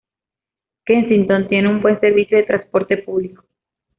Kensington tiene un buen servicio de transporte público.